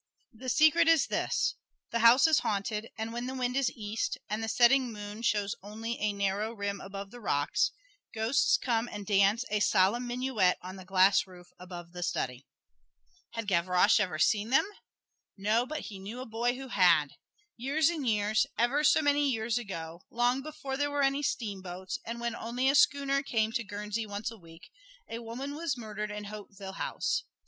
The secret is this: The house is haunted, and when the wind is east, and the setting moon shows only a narrow rim above the rocks, ghosts come and dance a solemn minuet on the glass roof above the study. Had Gavroche ever seen them? No, but he knew a boy who had. Years and years ever so many years ago long before there were any steamboats, and when only a schooner came to Guernsey once a week, a woman was murdered in Hauteville House.